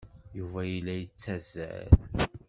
Yuba yella yettazzal.